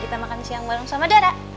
kita makan siang bareng sama darah